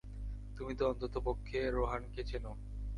তুমি তো অন্ততপক্ষে রোহানকে চেনো।